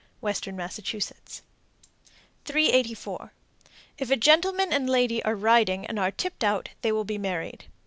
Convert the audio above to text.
Western Massachusetts. 384. If a gentleman and lady are riding and are tipped out, they will be married.